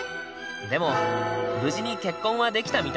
でも無事に結婚はできたみたいだ。